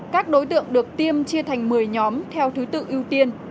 các đối tượng được tiêm chia thành một mươi nhóm theo thứ tự ưu tiên